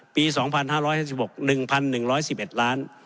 ปี๒๕๕๖๑๑๑๑ล้าน